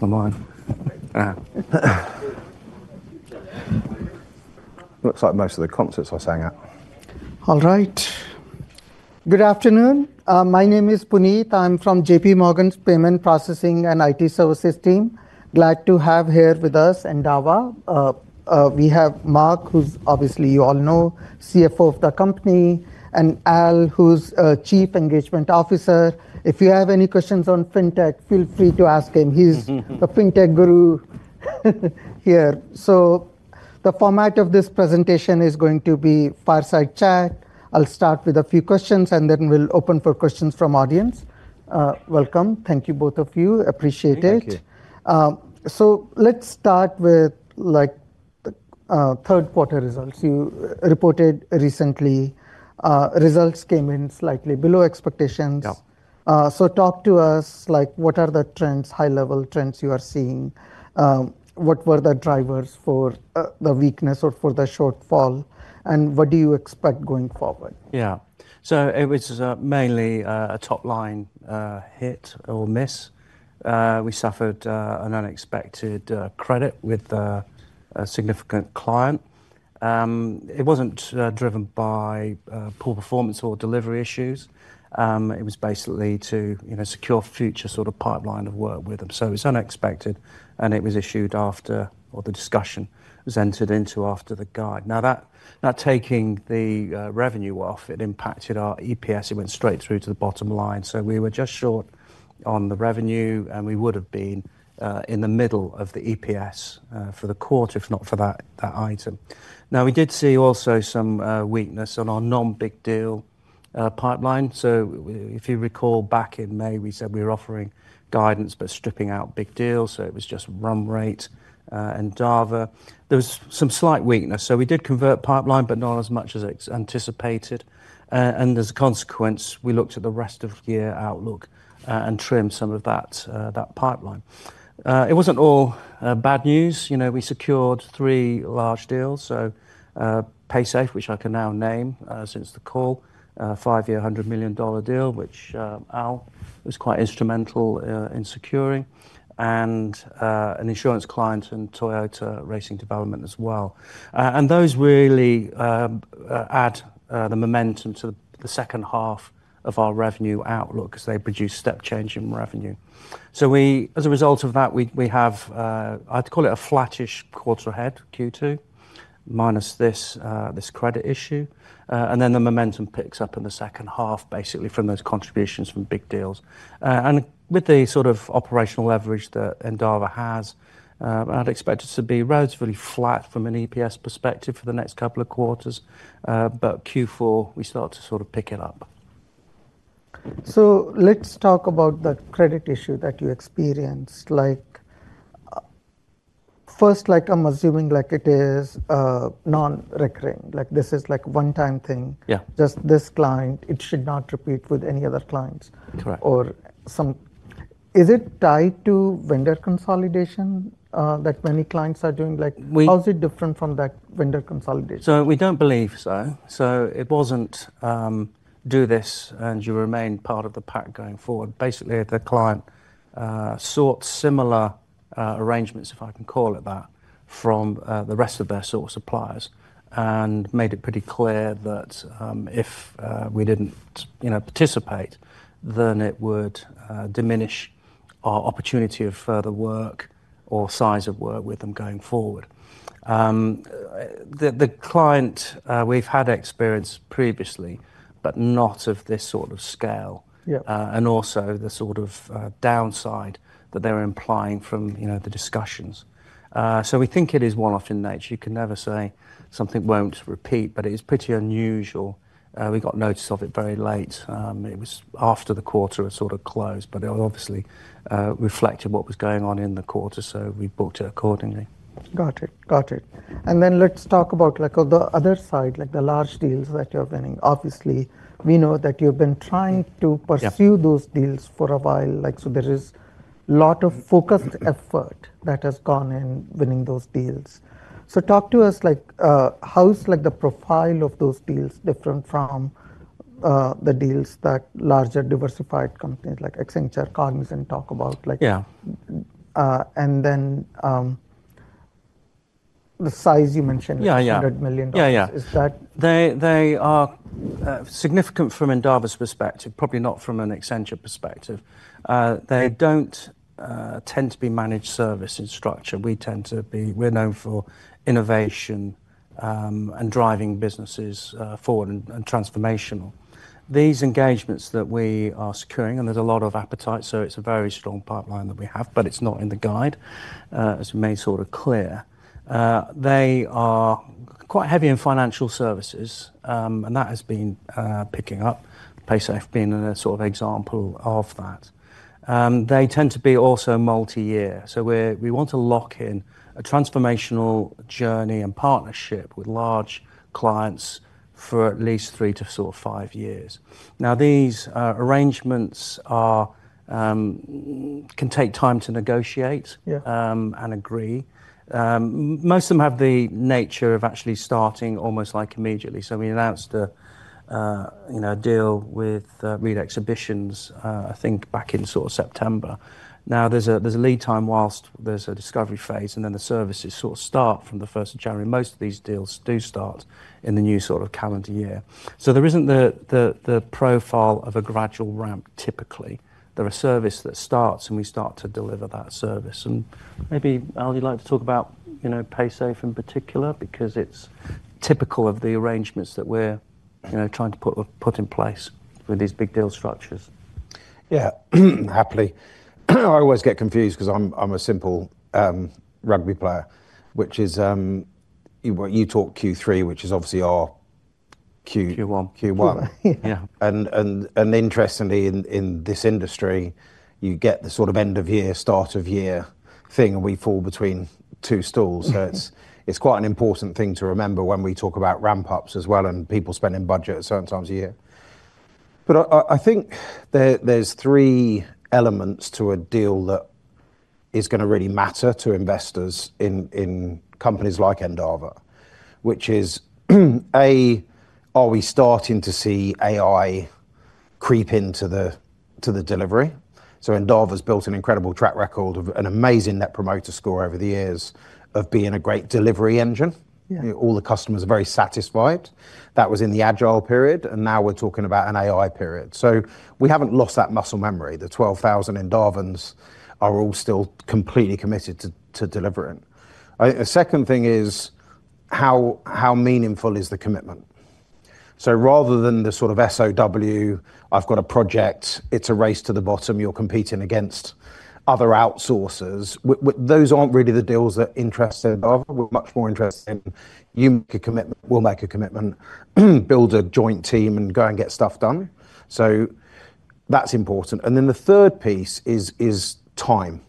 It's the line. Looks like most of the concerts I sang at. All right. Good afternoon. My name is Puneet. I'm from JPMorgan's Payment Processing and IT Services team. Glad to have here with us Endava. We have Mark, who's obviously, you all know, CFO of the company, and Al, who's Chief Engagement Officer. If you have any questions on fintech, feel free to ask him. He's the fintech guru here. The format of this presentation is going to be fireside chat. I'll start with a few questions, and then we'll open for questions from the audience. Welcome. Thank you, both of you. Appreciate it. Thank you. Let's start with third quarter results. You reported recently results came in slightly below expectations. Talk to us, what are the trends, high-level trends you are seeing? What were the drivers for the weakness or for the shortfall? What do you expect going forward? Yeah. It was mainly a top-line hit or miss. We suffered an unexpected credit with a significant client. It was not driven by poor performance or delivery issues. It was basically to secure future sort of pipeline of work with them. It was unexpected, and it was issued after, or the discussion was entered into after the guide. Now, that taking the revenue off, it impacted our EPS. It went straight through to the bottom line. We were just short on the revenue, and we would have been in the middle of the EPS for the quarter, if not for that item. We did see also some weakness on our non-big deal pipeline. If you recall, back in May, we said we were offering guidance but stripping out big deals. It was just run rate and Dava. There was some slight weakness. We did convert pipeline, but not as much as anticipated. As a consequence, we looked at the rest of year outlook and trimmed some of that pipeline. It was not all bad news. We secured three large deals. Paysafe, which I can now name since the call, a five-year $100 million deal, which Al was quite instrumental in securing, and an insurance client and Toyota Racing Development as well. Those really add the momentum to the second half of our revenue outlook because they produce step-changing revenue. As a result of that, we have, I would call it, a flattish quarter ahead, Q2, minus this credit issue. The momentum picks up in the second half, basically from those contributions from big deals. With the sort of operational leverage that Endava has, I'd expect it to be relatively flat from an EPS perspective for the next couple of quarters. Q4, we start to sort of pick it up. Let's talk about the credit issue that you experienced. First, I'm assuming it is non-recurring. This is like a one-time thing. Just this client, it should not repeat with any other clients. Correct. Or some. Is it tied to vendor consolidation that many clients are doing? How is it different from that vendor consolidation? We do not believe so. It was not do this and you remain part of the pack going forward. Basically, the client sought similar arrangements, if I can call it that, from the rest of their source suppliers and made it pretty clear that if we did not participate, then it would diminish our opportunity of further work or size of work with them going forward. The client, we have had experience previously, but not of this sort of scale. And also the sort of downside that they are implying from the discussions. We think it is one-off in nature. You can never say something will not repeat, but it is pretty unusual. We got notice of it very late. It was after the quarter had sort of closed, but it obviously reflected what was going on in the quarter. We booked it accordingly. Got it. Got it. Let's talk about the other side, the large deals that you're winning. Obviously, we know that you've been trying to pursue those deals for a while. There is a lot of focused effort that has gone in winning those deals. Talk to us, how is the profile of those deals different from the deals that larger diversified companies like Accenture, Cognizant talk about? The size you mentioned is $100 million. Is that? Yeah. Yeah. They are significant from Endava's perspective, probably not from an Accenture perspective. They do not tend to be managed service in structure. We tend to be, we are known for innovation and driving businesses forward and transformational. These engagements that we are securing, and there is a lot of appetite, so it is a very strong pipeline that we have, but it is not in the guide, as you may sort of clear. They are quite heavy in financial services, and that has been picking up, Paysafe being a sort of example of that. They tend to be also multi-year. We want to lock in a transformational journey and partnership with large clients for at least three to sort of five years. Now, these arrangements can take time to negotiate and agree. Most of them have the nature of actually starting almost like immediately. We announced a deal with Reed exhibitions, I think back in sort of September. Now, there's a lead time whilst there's a discovery phase, and then the services sort of start from the 1st of January. Most of these deals do start in the new sort of calendar year. There isn't the profile of a gradual ramp typically. There are services that start, and we start to deliver that service. Maybe, Al, you'd like to talk about Paysafe in particular because it's typical of the arrangements that we're trying to put in place with these big deal structures. Yeah. Happily. I always get confused because I'm a simple rugby player, which is you talk Q3, which is obviously our Q1. Q1. Yeah. Interestingly, in this industry, you get the sort of end-of-year, start-of-year thing, and we fall between two stools. It is quite an important thing to remember when we talk about ramp-ups as well and people spending budgets sometimes a year. I think there are three elements to a deal that are going to really matter to investors in companies like Endava, which is, A, are we starting to see AI creep into the delivery? Endava has built an incredible track record of an amazing net promoter score over the years of being a great delivery engine. All the customers are very satisfied. That was in the agile period, and now we are talking about an AI period. We have not lost that muscle memory. The 12,000 Endavans are all still completely committed to delivering. The second thing is, how meaningful is the commitment? Rather than the sort of SOW, I've got a project, it's a race to the bottom, you're competing against other outsourcers. Those aren't really the deals that interest Endava. We're much more interested in, you make a commitment, we'll make a commitment, build a joint team and go and get stuff done. That's important. The third piece is time.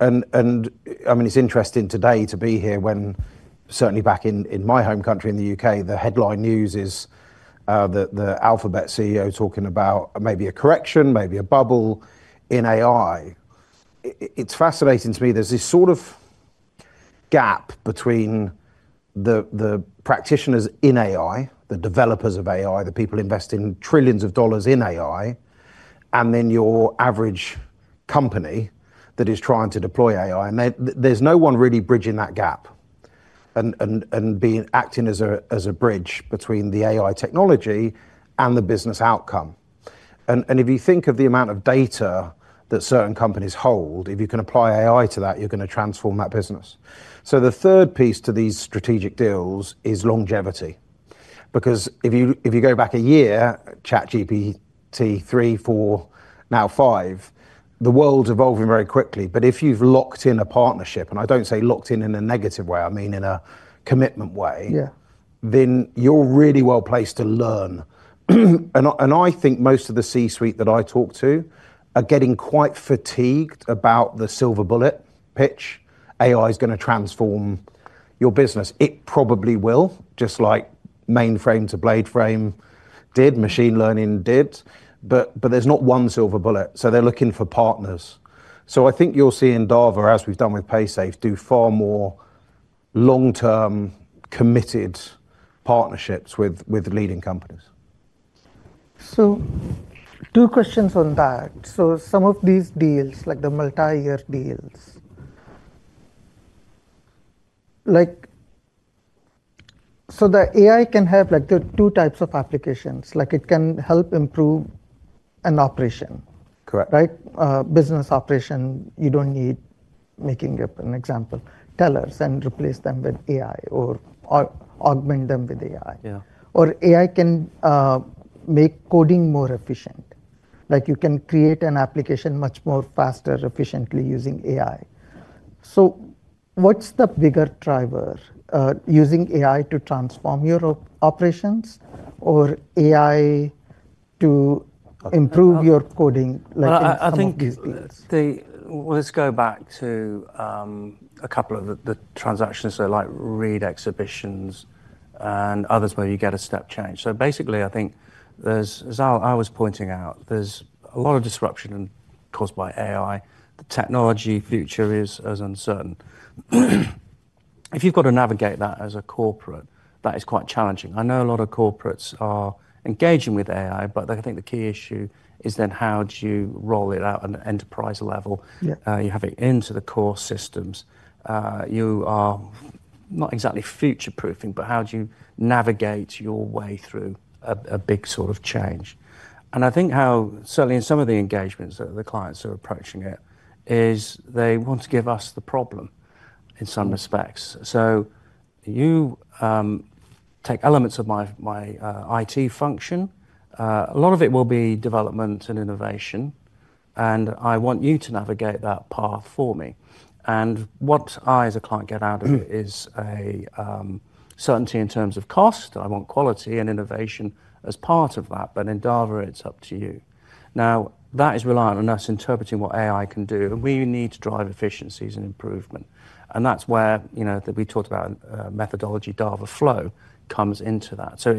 I mean, it's interesting today to be here when certainly back in my home country, in the U.K., the headline news is the Alphabet CEO talking about maybe a correction, maybe a bubble in AI. It's fascinating to me. There's this sort of gap between the practitioners in AI, the developers of AI, the people investing trillions of dollars in AI, and then your average company that is trying to deploy AI. There is no one really bridging that gap and acting as a bridge between the AI technology and the business outcome. If you think of the amount of data that certain companies hold, if you can apply AI to that, you are going to transform that business. The third piece to these strategic deals is longevity. If you go back a year, ChatGPT 3, 4, now 5, the world is evolving very quickly. If you have locked in a partnership, and I do not say locked in in a negative way, I mean in a commitment way, then you are really well placed to learn. I think most of the C-suite that I talk to are getting quite fatigued about the silver bullet pitch, AI is going to transform your business. It probably will, just like mainframe to blade frame did, machine learning did. There is not one silver bullet. They're looking for partners. I think you'll see Endava, as we've done with Paysafe, do far more long-term committed partnerships with leading companies. Two questions on that. Some of these deals, like the multi-year deals, the AI can have two types of applications. It can help improve an operation. Correct. Right? Business operation, you don't need, making up an example, tellers and replace them with AI or augment them with AI. Yeah. AI can make coding more efficient. You can create an application much more faster, efficiently using AI. What's the bigger driver? Using AI to transform your operations or AI to improve your coding? I think let's go back to a couple of the transactions. Like Reed exhibitions and others where you get a step change. Basically, I think as I was pointing out, there's a lot of disruption caused by AI. The technology future is uncertain. If you've got to navigate that as a corporate, that is quite challenging. I know a lot of corporates are engaging with AI, but I think the key issue is then how do you roll it out at an enterprise level? You have it into the core systems. You are not exactly future-proofing, but how do you navigate your way through a big sort of change? I think how certainly in some of the engagements that the clients are approaching it is they want to give us the problem in some respects. You take elements of my IT function. A lot of it will be development and innovation. I want you to navigate that path for me. What I, as a client, get out of it is a certainty in terms of cost. I want quality and innovation as part of that. In Endava, it is up to you. That is reliant on us interpreting what AI can do. We need to drive efficiencies and improvement. That is where we talked about methodology, EndavaFlow comes into that. It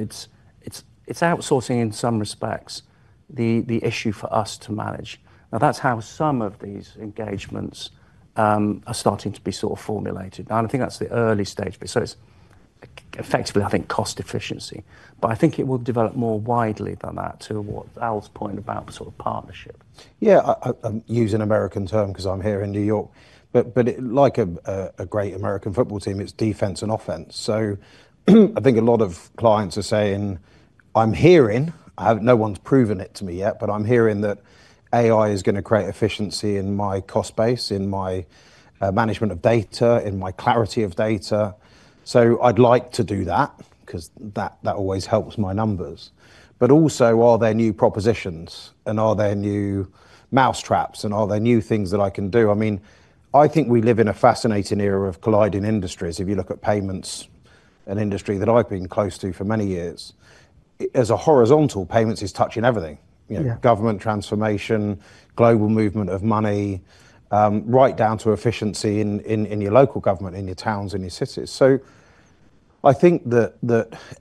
is outsourcing in some respects the issue for us to manage. That is how some of these engagements are starting to be sort of formulated. I think that is the early stage. It is effectively, I think, cost efficiency. I think it will develop more widely than that to what Al's point about sort of partnership. Yeah. I use an American term because I'm here in New York. Like a great American football team, it's defense and offense. I think a lot of clients are saying, "I'm hearing, no one's proven it to me yet, but I'm hearing that AI is going to create efficiency in my cost base, in my management of data, in my clarity of data." I'd like to do that because that always helps my numbers. Also, are there new propositions? Are there new mousetraps? Are there new things that I can do? I mean, I think we live in a fascinating era of colliding industries. If you look at payments, an industry that I've been close to for many years, as a horizontal, payments is touching everything. Government transformation, global movement of money, right down to efficiency in your local government, in your towns, in your cities. I think that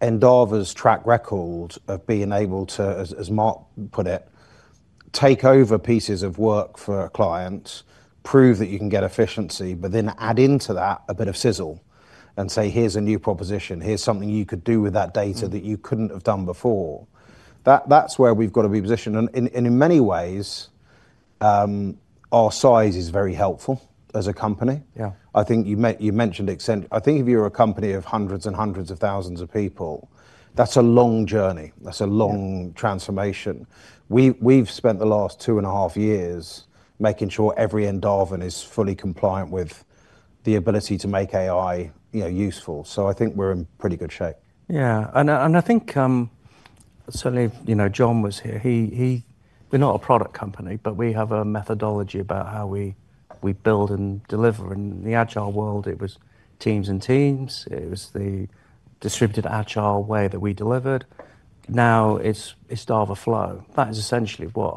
Endava's track record of being able to, as Mark put it, take over pieces of work for clients, prove that you can get efficiency, but then add into that a bit of sizzle and say, "Here's a new proposition. Here's something you could do with that data that you couldn't have done before." That's where we've got to be positioned. In many ways, our size is very helpful as a company. I think you mentioned Accenture. I think if you're a company of hundreds and hundreds of thousands of people, that's a long journey. That's a long transformation. We've spent the last two and a half years making sure every Endavan is fully compliant with the ability to make AI useful. I think we're in pretty good shape. Yeah. I think certainly John was here. We're not a product company, but we have a methodology about how we build and deliver. In the agile world, it was teams and teams. It was the distributed agile way that we delivered. Now it's EndavaFlow. That is essentially what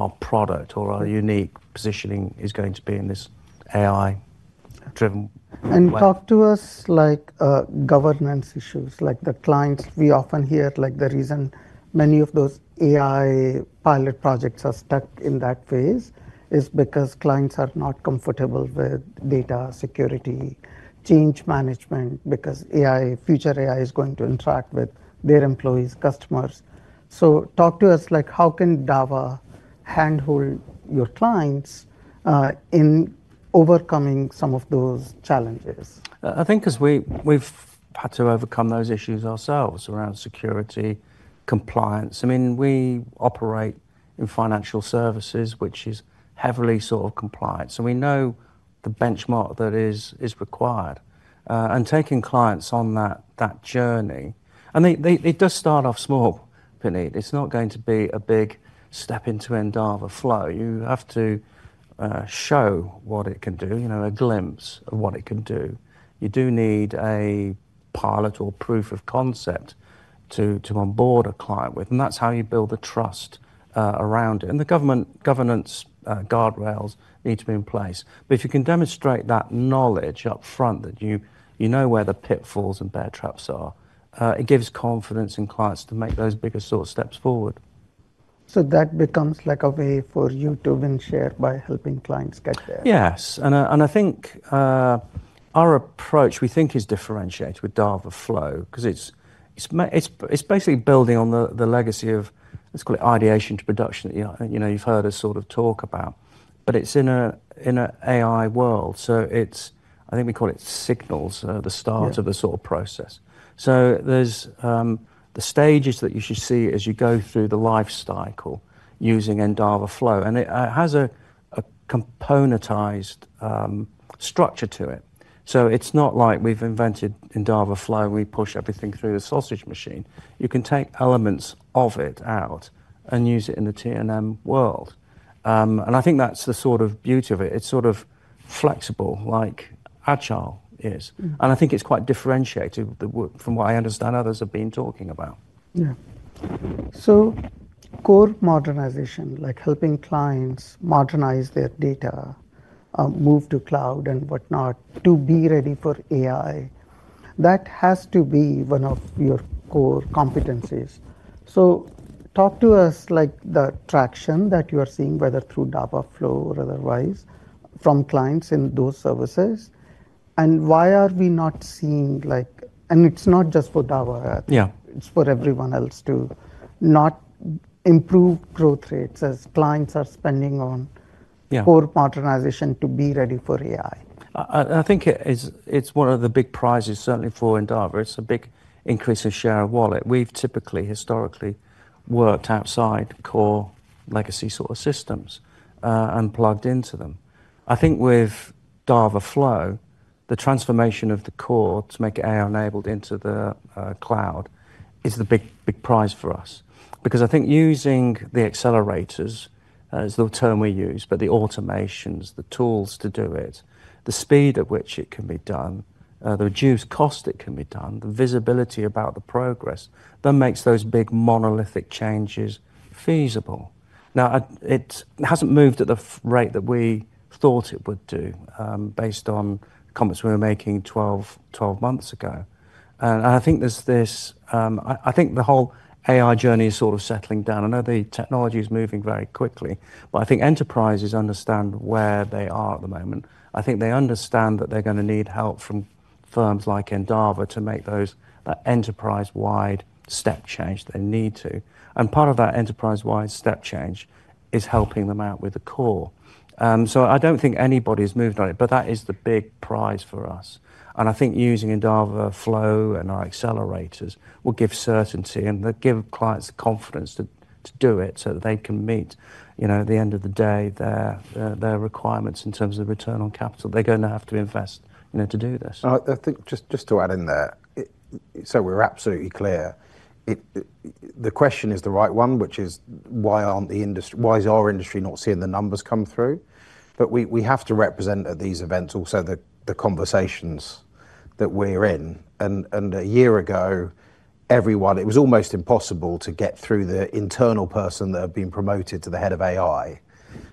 our product or our unique positioning is going to be in this AI-driven environment. Talk to us like governance issues. Like the clients, we often hear like the reason many of those AI pilot projects are stuck in that phase is because clients are not comfortable with data security, change management, because future AI is going to interact with their employees, customers. Talk to us like how can Endava handle your clients in overcoming some of those challenges? I think because we've had to overcome those issues ourselves around security, compliance. I mean, we operate in financial services, which is heavily sort of compliant. So we know the benchmark that is required. Taking clients on that journey, it does start off small, Puneet. It's not going to be a big step into EndavaFlow. You have to show what it can do, a glimpse of what it can do. You do need a pilot or proof of concept to onboard a client with. That's how you build the trust around it. The government governance guardrails need to be in place. If you can demonstrate that knowledge upfront that you know where the pitfalls and bad traps are, it gives confidence in clients to make those bigger sort of steps forward. That becomes like a way for you to win share by helping clients get there. Yes. I think our approach, we think, is differentiated with EndavaFlow because it is basically building on the legacy of, let's call it, ideation to production that you have heard us sort of talk about. It is in an AI world. I think we call it signals, the start of the sort of process. There are the stages that you should see as you go through the life cycle using EndavaFlow. It has a componentized structure to it. It is not like we have invented EndavaFlow and we push everything through the sausage machine. You can take elements of it out and use it in the TNM world. I think that is the sort of beauty of it. It is sort of flexible like agile is. I think it is quite differentiated from what I understand others have been talking about. Yeah. Core modernization, like helping clients modernize their data, move to cloud and whatnot to be ready for AI, that has to be one of your core competencies. Talk to us about the traction that you are seeing, whether through EndavaFlow or otherwise, from clients in those services. Why are we not seeing, and it's not just for Endava I think, it's for everyone else too, not improved growth rates as clients are spending on core modernization to be ready for AI? I think it's one of the big prizes certainly for Endava. It's a big increase in share of wallet. We've typically, historically worked outside core legacy sort of systems and plugged into them. I think with EndavaFlow, the transformation of the core to make AI enabled into the cloud is the big prize for us. Because I think using the accelerators, that's the term we use, but the automations, the tools to do it, the speed at which it can be done, the reduced cost it can be done, the visibility about the progress, that makes those big monolithic changes feasible. Now, it hasn't moved at the rate that we thought it would do based on comments we were making 12 months ago. I think the whole AI journey is sort of settling down. I know the technology is moving very quickly, but I think enterprises understand where they are at the moment. I think they understand that they're going to need help from firms like Endava to make that enterprise-wide step change they need to. Part of that enterprise-wide step change is helping them out with the core. I don't think anybody has moved on it, but that is the big prize for us. I think using EndavaFlow and our accelerators will give certainty and give clients confidence to do it so that they can meet at the end of the day their requirements in terms of return on capital. They're going to have to invest to do this. I think just to add in there, so we're absolutely clear. The question is the right one, which is why is our industry not seeing the numbers come through? We have to represent at these events also the conversations that we're in. A year ago, everyone, it was almost impossible to get through the internal person that had been promoted to the head of AI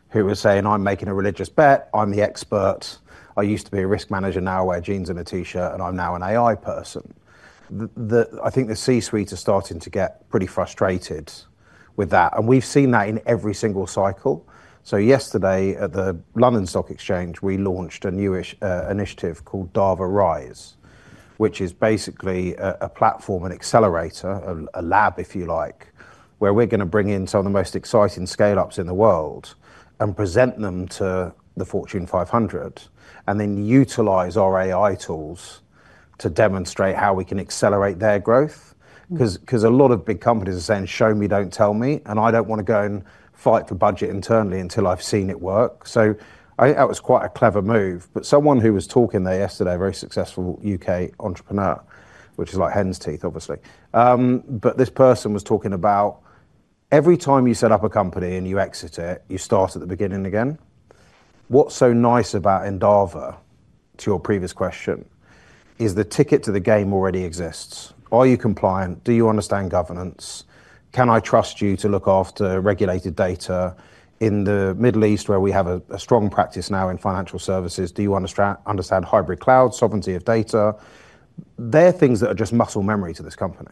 who was saying, "I'm making a religious bet. I'm the expert. I used to be a risk manager. Now I wear jeans and a T-shirt and I'm now an AI person." I think the C-suite are starting to get pretty frustrated with that. We've seen that in every single cycle. Yesterday at the London Stock Exchange, we launched a new initiative called Endava Rise, which is basically a platform, an accelerator, a lab, if you like, where we're going to bring in some of the most exciting scale-ups in the world and present them to the Fortune 500 and then utilize our AI tools to demonstrate how we can accelerate their growth. Because a lot of big companies are saying, "Show me, don't tell me." I don't want to go and fight for budget internally until I've seen it work. I think that was quite a clever move. Someone who was talking there yesterday, a very successful U.K. entrepreneur, which is like hen's teeth, obviously. This person was talking about every time you set up a company and you exit it, you start at the beginning again. What's so nice about Endava, to your previous question, is the ticket to the game already exists. Are you compliant? Do you understand governance? Can I trust you to look after regulated data in the Middle East where we have a strong practice now in financial services? Do you understand hybrid cloud, sovereignty of data? They're things that are just muscle memory to this company.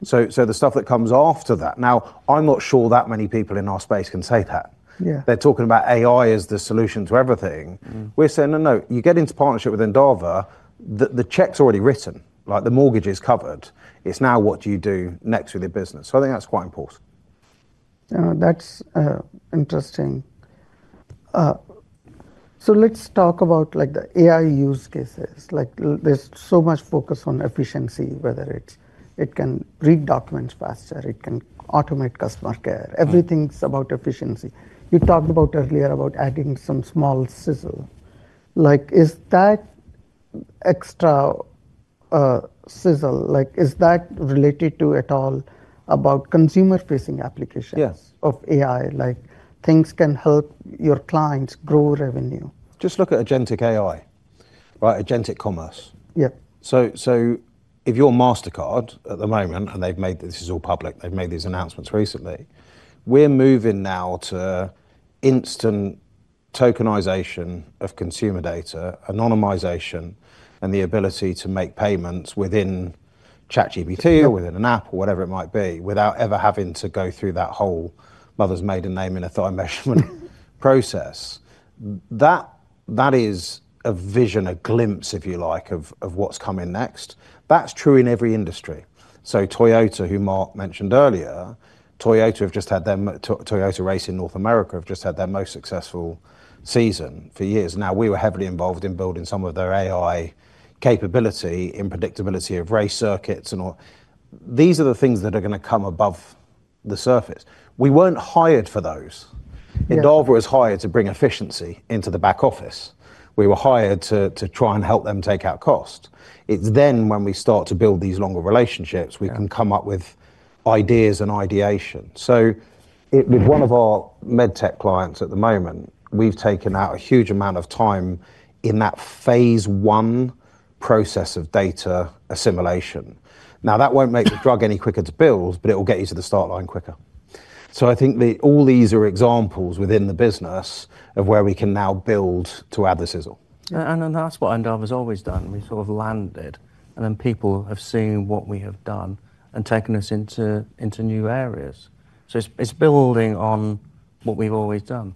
The stuff that comes after that. Now, I'm not sure that many people in our space can say that. They're talking about AI as the solution to everything. We're saying, "No, no. You get into partnership with Endava, the check's already written. Like the mortgage is covered. It's now what do you do next with your business?" I think that's quite important. That's interesting. Let's talk about the AI use cases. There's so much focus on efficiency, whether it can read documents faster, it can automate customer care. Everything's about efficiency. You talked earlier about adding some small sizzle. Is that extra sizzle, is that related at all to consumer-facing applications of AI? Things that can help your clients grow revenue. Just look at Agentic AI, Agentic Commerce. If you're Mastercard at the moment, and they've made this is all public. They've made these announcements recently. We're moving now to instant tokenization of consumer data, anonymization, and the ability to make payments within ChatGPT or within an app or whatever it might be without ever having to go through that whole mother's maiden name in a thigh measurement process. That is a vision, a glimpse, if you like, of what's coming next. That's true in every industry. Toyota, who Mark mentioned earlier, Toyota have just had their Toyota race in North America have just had their most successful season for years. We were heavily involved in building some of their AI capability in predictability of race circuits and all. These are the things that are going to come above the surface. We weren't hired for those. Endava was hired to bring efficiency into the back office. We were hired to try and help them take out cost. It's then when we start to build these longer relationships, we can come up with ideas and ideation. With one of our med tech clients at the moment, we've taken out a huge amount of time in that phase one process of data assimilation. That will not make the drug any quicker to build, but it will get you to the start line quicker. I think all these are examples within the business of where we can now build to add the sizzle. That is what Endava has always done. We sort of landed and then people have seen what we have done and taken us into new areas. It is building on what we have always done.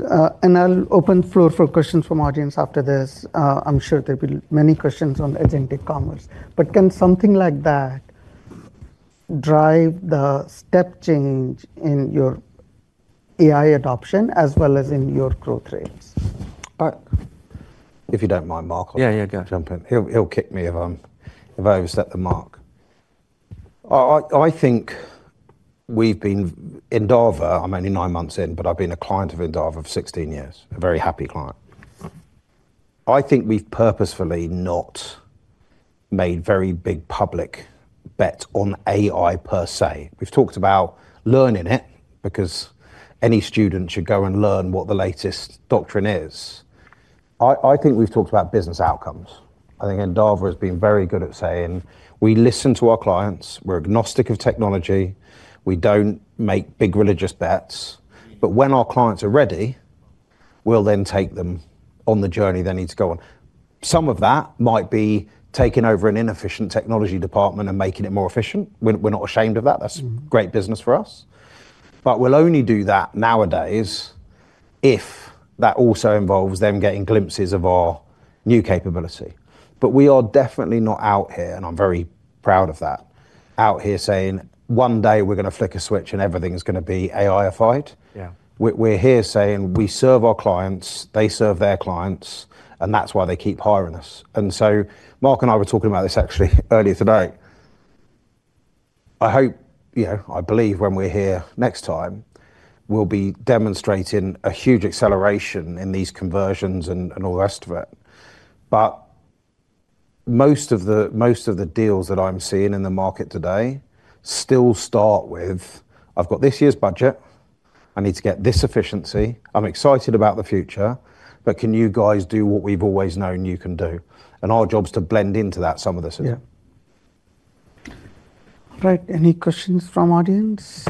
Yeah. I'll open floor for questions from audience after this. I'm sure there'll be many questions on Agentic Commerce. Can something like that drive the step change in your AI adoption as well as in your growth rates? If you don't mind, Mark, I'll jump in. He'll kick me if I overstep the mark. I think we've been Endava, I'm only nine months in, but I've been a client of Endava for 16 years, a very happy client. I think we've purposefully not made very big public bets on AI per se. We've talked about learning it because any student should go and learn what the latest doctrine is. I think we've talked about business outcomes. I think Endava has been very good at saying, "We listen to our clients. We're agnostic of technology. We don't make big religious bets. When our clients are ready, we'll then take them on the journey they need to go on." Some of that might be taking over an inefficient technology department and making it more efficient. We're not ashamed of that. That's great business for us. We'll only do that nowadays if that also involves them getting glimpses of our new capability. We are definitely not out here, and I'm very proud of that, out here saying, "One day we're going to flick a switch and everything is going to be AI-ified." We're here saying, "We serve our clients, they serve their clients, and that's why they keep hiring us." Mark and I were talking about this actually earlier today. I hope, I believe when we're here next time, we'll be demonstrating a huge acceleration in these conversions and all the rest of it. Most of the deals that I'm seeing in the market today still start with, "I've got this year's budget. I need to get this efficiency. I'm excited about the future, but can you guys do what we've always known you can do? Our job is to blend into that some of the soon. Yeah. All right. Any questions from the audience?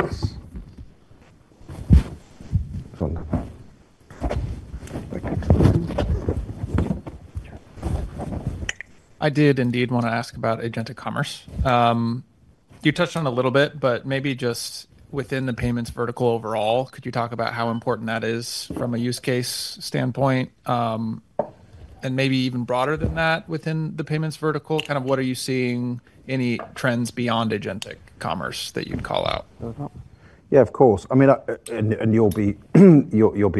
I did indeed want to ask about Agentic Commerce. You touched on it a little bit, but maybe just within the payments vertical overall, could you talk about how important that is from a use case standpoint? Maybe even broader than that within the payments vertical, kind of what are you seeing, any trends beyond Agentic Commerce that you'd call out? Yeah, of course. I mean, and you'll be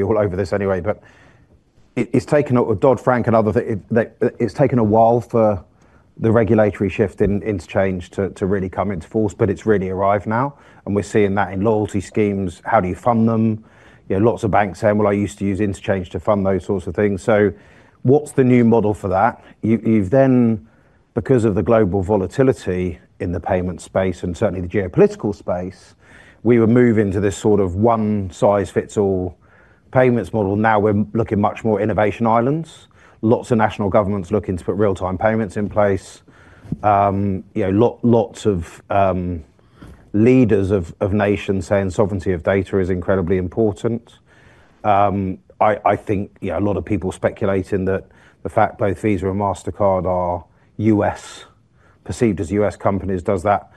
all over this anyway, but it's taken a Dodd-Frank and other things. It's taken a while for the regulatory shift in interchange to really come into force, but it's really arrived now. We're seeing that in loyalty schemes. How do you fund them? Lots of banks saying, "Well, I used to use interchange to fund those sorts of things." What is the new model for that? You've then, because of the global volatility in the payment space and certainly the geopolitical space, we were moving to this sort of one-size-fits-all payments model. Now we're looking at much more innovation islands. Lots of national governments looking to put real-time payments in place. Lots of leaders of nations saying sovereignty of data is incredibly important. I think a lot of people speculating that the fact both Visa and Mastercard are perceived as U.S. companies, does that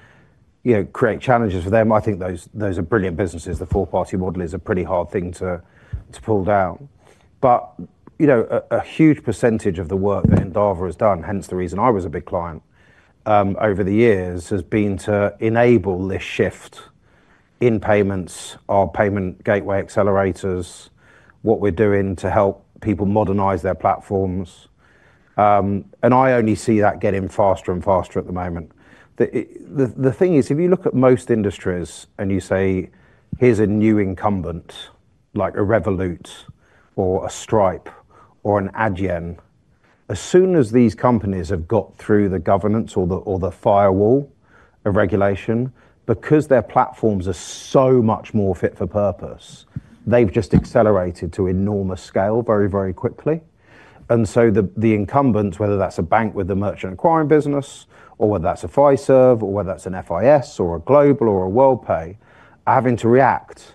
create challenges for them? I think those are brilliant businesses. The four-party model is a pretty hard thing to pull down. A huge percentage of the work that Endava has done, hence the reason I was a big client over the years, has been to enable this shift in payments, our payment gateway accelerators, what we are doing to help people modernize their platforms. I only see that getting faster and faster at the moment. The thing is, if you look at most industries and you say, "Here's a new incumbent like a Revolut or a Stripe or an Adyen," as soon as these companies have got through the governance or the firewall of regulation, because their platforms are so much more fit for purpose, they've just accelerated to enormous scale very, very quickly. The incumbents, whether that's a bank with a merchant acquiring business or whether that's a Fiserv or whether that's an FIS or a Global or a Worldpay, are having to react.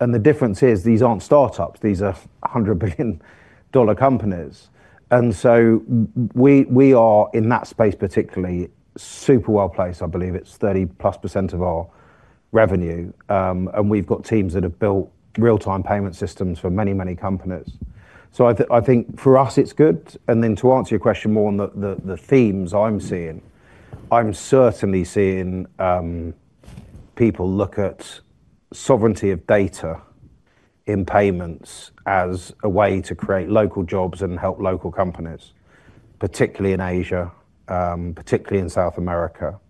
The difference is these aren't startups. These are $100 billion companies. We are in that space particularly super well placed. I believe it's 30+% of our revenue. We've got teams that have built real-time payment systems for many, many companies. I think for us, it's good. To answer your question more on the themes I'm seeing, I'm certainly seeing people look at sovereignty of data in payments as a way to create local jobs and help local companies, particularly in Asia, particularly in South America,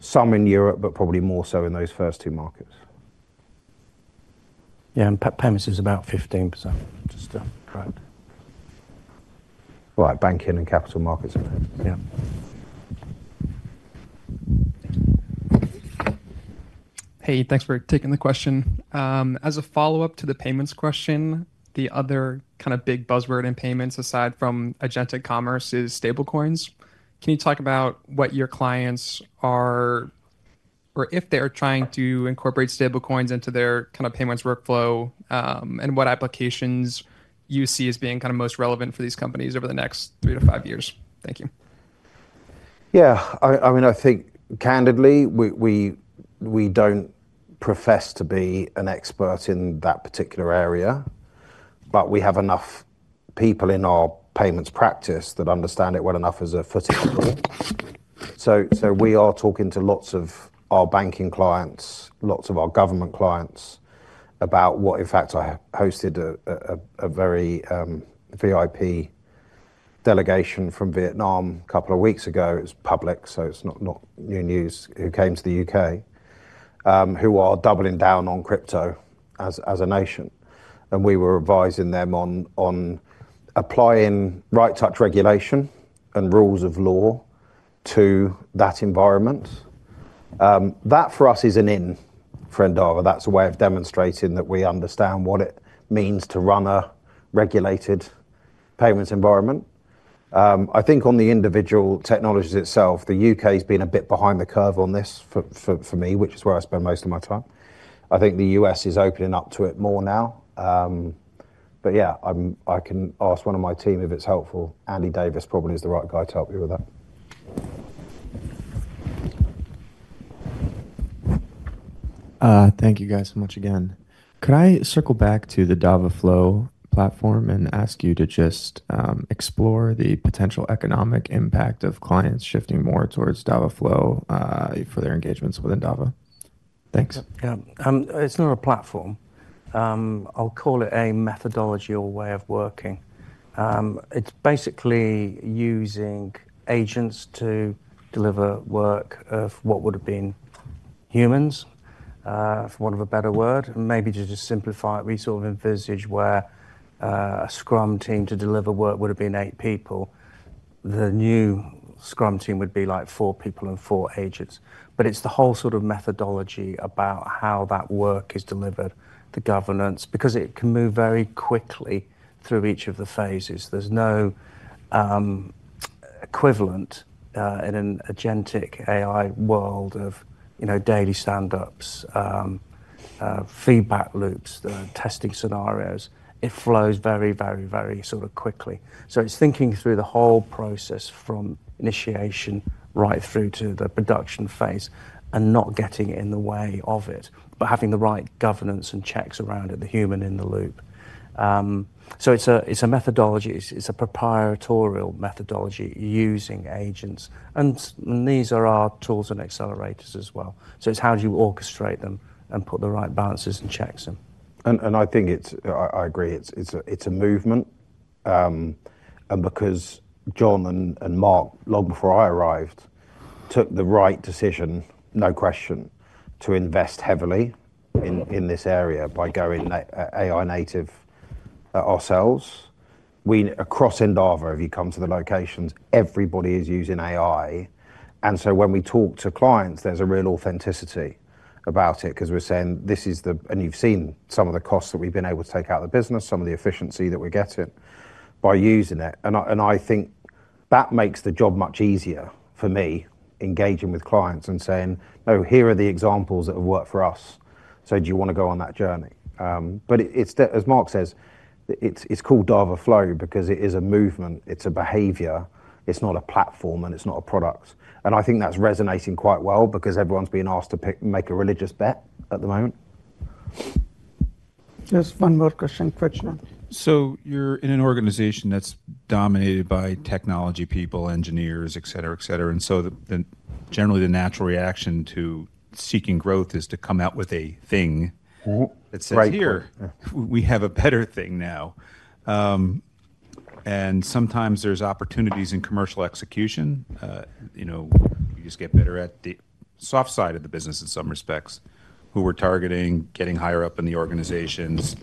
some in Europe, but probably more so in those first two markets. Yeah, and payments is about 15%. Just to correct. Right, banking and capital markets. Yeah. Hey, thanks for taking the question. As a follow-up to the payments question, the other kind of big buzzword in payments aside from Agentic Commerce is stablecoins. Can you talk about what your clients are or if they are trying to incorporate stablecoins into their kind of payments workflow and what applications you see as being kind of most relevant for these companies over the next three to five years? Thank you. Yeah, I mean, I think candidly, we do not profess to be an expert in that particular area, but we have enough people in our payments practice that understand it well enough as a footing tool. We are talking to lots of our banking clients, lots of our government clients about what, in fact, I hosted a very VIP delegation from Vietnam a couple of weeks ago. It is public, so it is not new news who came to the U.K., who are doubling down on crypto as a nation. We were advising them on applying right touch regulation and rules of law to that environment. That for us is an in for Endava. That is a way of demonstrating that we understand what it means to run a regulated payments environment. I think on the individual technologies itself, the U.K. has been a bit behind the curve on this for me, which is where I spend most of my time. I think the U.S. is opening up to it more now. Yeah, I can ask one of my team if it's helpful. Andy Davis probably is the right guy to help you with that. Thank you guys so much again. Could I circle back to the EndavaFlow platform and ask you to just explore the potential economic impact of clients shifting more towards EndavaFlow for their engagements with Endava? Thanks. Yeah, it's not a platform. I'll call it a methodology or way of working. It's basically using agents to deliver work of what would have been humans, for want of a better word. Maybe to just simplify it, we sort of envisage where a Scrum team to deliver work would have been eight people. The new Scrum team would be like four people and four agents. It's the whole sort of methodology about how that work is delivered, the governance, because it can move very quickly through each of the phases. There's no equivalent in an agentic AI world of daily standups, feedback loops, the testing scenarios. It flows very, very, very sort of quickly. It's thinking through the whole process from initiation right through to the production phase and not getting in the way of it, but having the right governance and checks around it, the human in the loop. It's a methodology. It's a proprietorial methodology using agents. These are our tools and accelerators as well. It's how do you orchestrate them and put the right balances and checks in. I think it's, I agree, it's a movement. Because John and Mark, long before I arrived, took the right decision, no question, to invest heavily in this area by going AI native ourselves. Across Endava, if you come to the locations, everybody is using AI. When we talk to clients, there's a real authenticity about it because we're saying, "This is the," and you've seen some of the costs that we've been able to take out of the business, some of the efficiency that we're getting by using it. I think that makes the job much easier for me, engaging with clients and saying, "No, here are the examples that have worked for us. Do you want to go on that journey?" As Mark says, it's called EndavaFlow because it is a movement. It's a behavior. It's not a platform and it's not a product. I think that's resonating quite well because everyone's being asked to make a religious bet at the moment. Just one more question, Kutsha. You're in an organization that's dominated by technology people, engineers, et cetera, et cetera. Generally, the natural reaction to seeking growth is to come out with a thing that says, "Here, we have a better thing now." Sometimes there's opportunities in commercial execution. You just get better at the soft side of the business in some respects, who we're targeting, getting higher up in the organizations.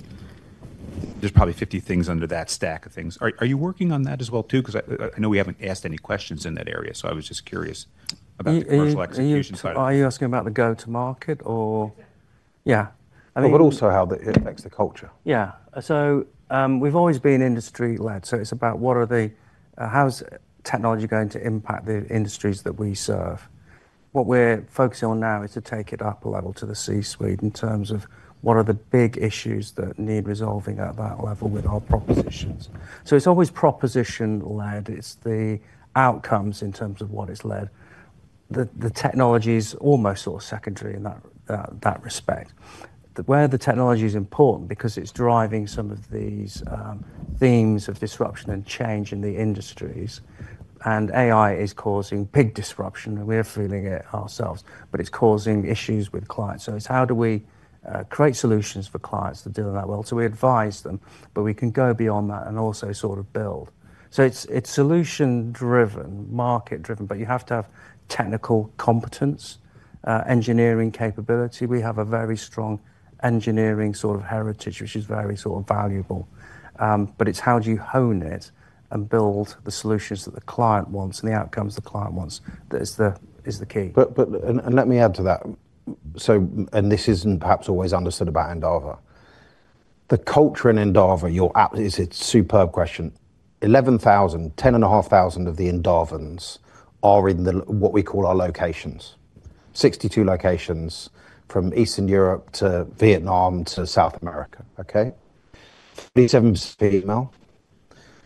There's probably 50 things under that stack of things. Are you working on that as well too? I know we haven't asked any questions in that area, so I was just curious about the commercial execution side. Are you asking about the go-to-market or? Yeah. Also how it affects the culture. Yeah. We've always been industry-led. It's about what are the, how's technology going to impact the industries that we serve? What we're focusing on now is to take it up a level to the C-suite in terms of what are the big issues that need resolving at that level with our propositions. It's always proposition-led. It's the outcomes in terms of what it's led. The technology is almost sort of secondary in that respect. The technology is important because it's driving some of these themes of disruption and change in the industries. AI is causing big disruption, and we are feeling it ourselves, but it's causing issues with clients. It's how do we create solutions for clients that deal with that? We advise them, but we can go beyond that and also sort of build. It is solution-driven, market-driven, but you have to have technical competence, engineering capability. We have a very strong engineering sort of heritage, which is very sort of valuable. But it is how do you hone it and build the solutions that the client wants and the outcomes the client wants that is the key. Let me add to that. This isn't perhaps always understood about Endava. The culture in Endava, it's a superb question. 11,000, 10,500 of the Endavans are in what we call our locations, 62 locations from Eastern Europe to Vietnam to South America. Okay? 37% female.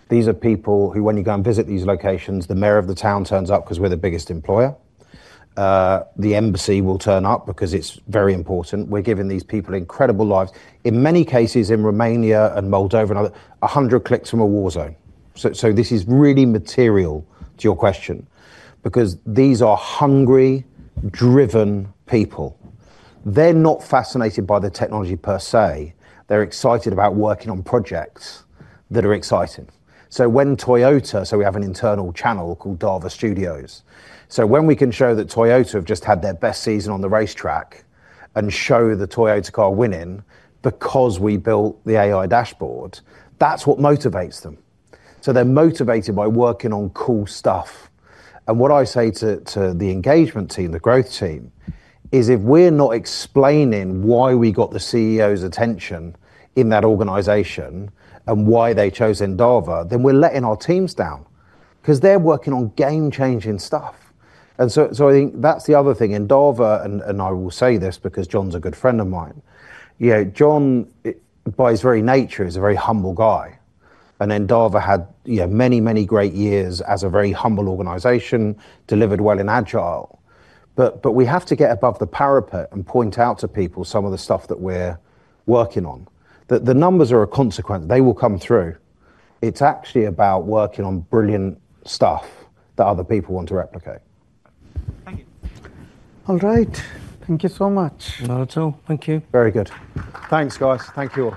These are people who, when you go and visit these locations, the mayor of the town turns up because we're the biggest employer. The embassy will turn up because it's very important. We're giving these people incredible lives. In many cases in Romania and Moldova and others, 100 clicks from a war zone. This is really material to your question because these are hungry, driven people. They're not fascinated by the technology per se. They're excited about working on projects that are exciting. We have an internal channel called Dava Studios. When we can show that Toyota have just had their best season on the racetrack and show the Toyota car winning because we built the AI dashboard, that's what motivates them. They're motivated by working on cool stuff. What I say to the engagement team, the growth team, is if we're not explaining why we got the CEO's attention in that organization and why they chose Endava, then we're letting our teams down because they're working on game-changing stuff. I think that's the other thing. Endava, and I will say this because John's a good friend of mine. John, by his very nature, is a very humble guy. Endava had many, many great years as a very humble organization, delivered well in agile. We have to get above the parapet and point out to people some of the stuff that we're working on. The numbers are a consequence. They will come through. It's actually about working on brilliant stuff that other people want to replicate. Thank you. All right. Thank you so much. Not at all. Thank you. Very good. Thanks, guys. Thank you.